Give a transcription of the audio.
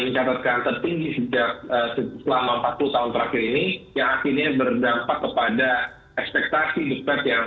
cemerlang ya beberapa data ekonomi yang